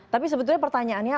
tapi sebetulnya pertanyaannya